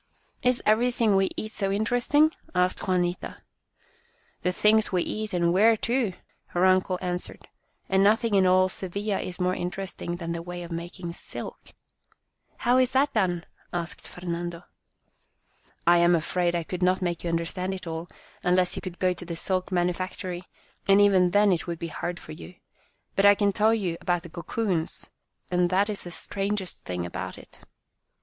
" Is everything we eat so interesting ?" asked Juanita. " The things we eat and wear, too," her uncle answered, " and nothing in all Sevilla is more interesting than the way of making silk." " How is that done ?" asked Fernando. " I am afraid I could not make you under stand it all, unless you could go to the silk manufactory, and even then it would be hard for you. But I can tell you about the cocoons, and that is the strangest thing about it.